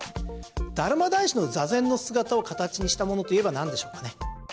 達磨大師の座禅の姿を形にしたものといえばなんでしょうかね？